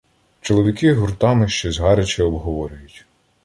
Чоловіки гуртами щось гаряче обговорюють.